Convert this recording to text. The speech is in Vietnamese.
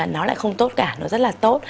nó lại không tốt cả nó rất là tốt